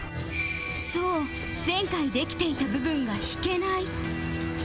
そう前回できていた部分が弾けない